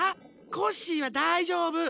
コッシーはだいじょうぶ。